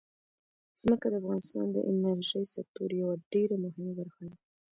ځمکه د افغانستان د انرژۍ سکتور یوه ډېره مهمه برخه ده.